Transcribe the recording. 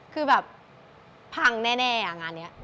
คือแบบพังแน่งานนี้